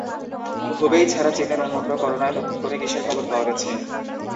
Hubei ছাড়া চীনের অন্যত্র করোনায় নতুন করে কিসের খবর পাওয়া গেছে?